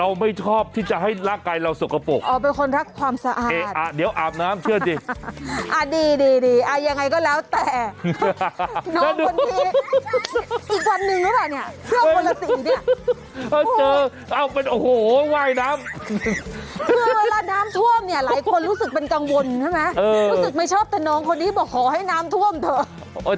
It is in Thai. อะไรคนรู้สึกเป็นกังวลใช่ไหมรู้สึกไม่ชอบแต่น้องคนนี้บอกขอให้น้ำท่วมเถอะ